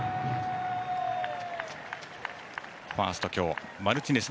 ファーストは今日、マルティネス。